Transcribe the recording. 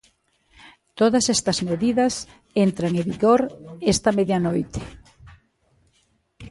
Todas estas medidas entran en vigor esta medianoite.